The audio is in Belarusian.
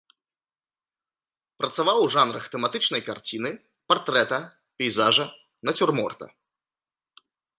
Працаваў у жанрах тэматычнай карціны, партрэта, пейзажа, нацюрморта.